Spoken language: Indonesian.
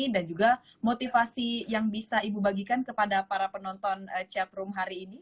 dan juga motivasi yang bisa ibu bagikan kepada para penonton chatroom hari ini